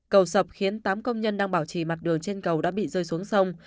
cầu sập khiến tám công nhân đang bảo trì mặt đường trên cầu đã bị rơi xuống sông